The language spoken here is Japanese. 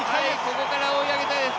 ここから追い上げたいです。